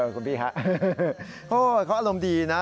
เขาอารมณ์ดีนะ